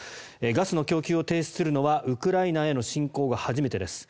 ガスの供給を停止するのはウクライナへの侵攻後初めてです。